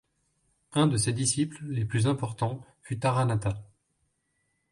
Un de ses disciples les plus importants fut Taranatha.